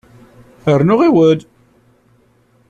Rnu ɣiwel!